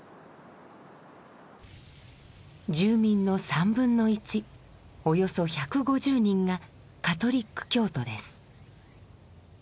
住民の1/3およそ１５０人がカトリック教徒です。